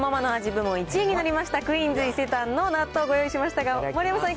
部門１位になりました、クイーンズ伊勢丹の納豆、ご用意しましたが、丸山さん